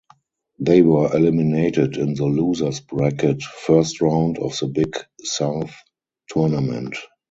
They were eliminated in the losers bracket first round of the Big South Tournament.